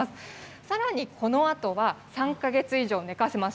さらにこのあとは、３か月以上寝かせます。